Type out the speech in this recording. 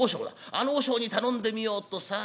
あの和尚に頼んでみよう」とさあ